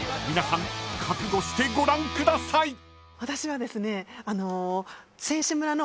［皆さん覚悟してご覧ください］